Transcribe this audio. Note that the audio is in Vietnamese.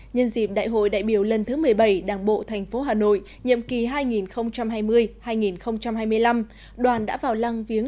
nhân dịp đại hội đại biểu lần thứ một mươi bảy đảng bộ thành phố hà nội nhiệm kỳ hai nghìn hai mươi hai nghìn hai mươi năm đoàn đã vào lăng viếng